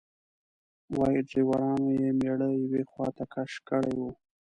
وایي ډریورانو یې میړه یوې خواته کش کړی و.